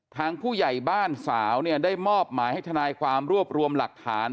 ทางผู้ใหญ่บ้านสาวเนี่ยได้มอบหมายให้ทนายความรวบรวมหลักฐาน